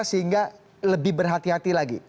sehingga lebih berhati hati lagi